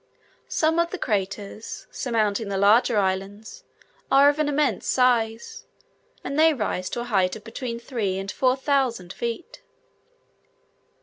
Some of the craters, surmounting the larger islands, are of immense size, and they rise to a height of between three and four thousand feet.